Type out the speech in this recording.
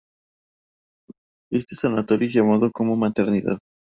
Este sanatorio es llamado como Maternidad.